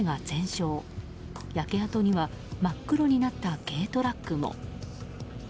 焼け跡には真っ黒になった軽トラックも。